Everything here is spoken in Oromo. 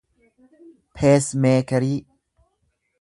peesmeekerii